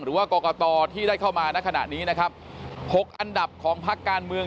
หรือว่ากรกตที่ได้เข้ามาณขณะนี้นะครับ๖อันดับของพักการเมือง